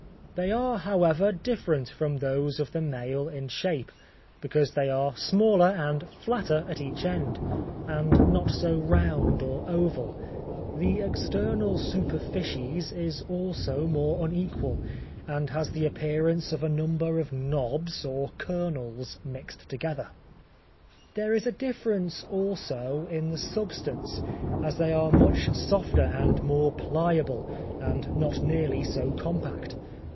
They are, however, different from those of the male in shape, because they are smaller and flatter at each end, and not so round or oval; the external superficies is also more unequal, and has the appearance of a number of knobs or kernels mixed together. There is a difference, also, in the substance, as they are much softer and more pliable, and not nearly so compact.